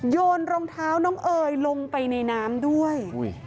โยนรองเท้าน้องเอ๋ยลงไปในน้ำด้วย